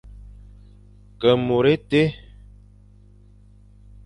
Ke môr étie.